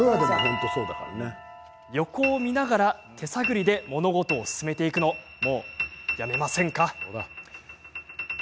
横を見ながら手探りで物事を進めていくのもう、やめませんか？